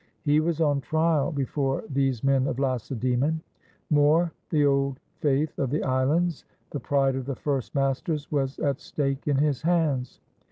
He was on trial before these men of Lacedeemon. More, the old faith of the Islands, the pride of the first masters, was at stake in his hands.